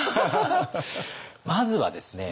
まずはですね